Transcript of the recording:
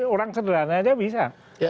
orang sederhana aja bisa